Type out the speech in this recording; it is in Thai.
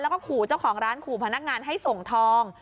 แล้วก็ขู่เจ้าของร้านขู่พนักงานให้ส่งทอง